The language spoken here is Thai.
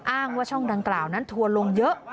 อ้างว่าช่องดังกล่าวนั้นทัวร์ลงเยอะ